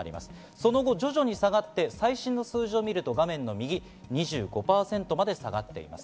その後、徐々に下がって最新の数字を見ると画面の右２５％まで下がりました。